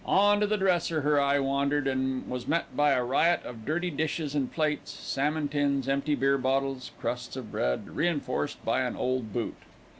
On to the dresser her eye wandered, and was met by a riot of dirty dishes and plates, salmon tins, empty beer bottles, crusts of bread, reinforced by an old boot.